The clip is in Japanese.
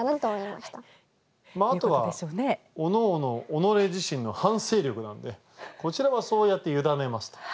まああとはおのおの己自身の反省力なんでこちらはそうやって委ねますと。